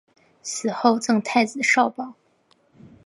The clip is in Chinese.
死后赠太子少保。